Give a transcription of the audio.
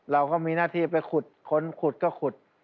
เราก็มีหน้าที่ไปขุดค้นขุดก็ขุด